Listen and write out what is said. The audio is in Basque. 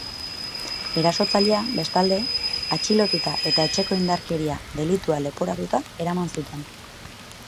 Erasotzailea, bestalde, atxilotuta eta etxeko indarkeeria delitua leporatuta eraman zuten.